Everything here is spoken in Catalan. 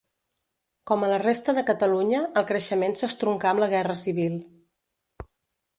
Com a la resta de Catalunya, el creixement s'estroncà amb la Guerra Civil.